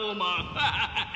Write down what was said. ハハハハ！